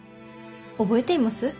覚えています？